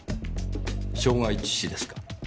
傷害致死ですか？